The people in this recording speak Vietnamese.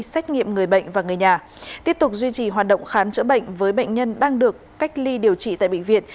xét nghiệm người bệnh và người nhà tiếp tục duy trì hoạt động khám chữa bệnh với bệnh nhân đang được cách ly điều trị tại bệnh viện